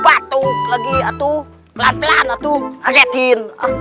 patu lagi itu pelan pelan itu angetin